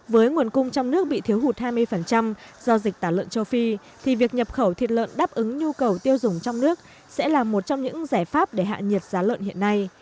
với nguồn cung trong nước bị thiếu hụt hai mươi do dịch tả lợn châu phi thì việc nhập khẩu thịt lợn đáp ứng nhu cầu tiêu dùng trong nước sẽ là một trong những giải pháp để hạ nhiệt giá lợn hiện nay